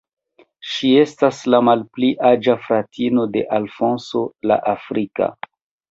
Ŝi estas la malpli aĝa fratino de Alfonso la Afrika.